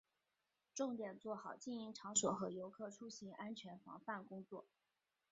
重点做好经营场所和游客出行安全防范工作